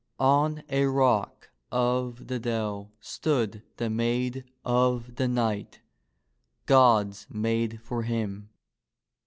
On a rock of the dell stood the maid of the knight — God^s maid for him.